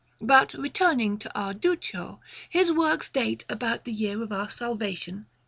But returning to our Duccio, his works date about the year of our salvation 1350.